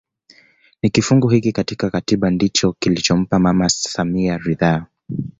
Ni kifungu hiki katika katiba ndicho kilichompa mama samia ridhaa